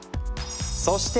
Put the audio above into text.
そして！